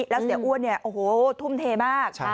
แล้วเสียอ้วนอโห้ทุ่มเทมาก